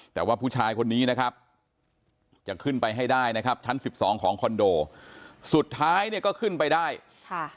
แต่ว่าผู้ชายคนนี้นะครับจะขึ้นไปให้ได้นะครับชั้นสิบสองของคอนโดสุดท้ายเนี่ยก็ขึ้นไปได้ค่ะ